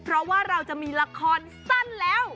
เพราะว่าเราจะมีละครสั้นแล้ว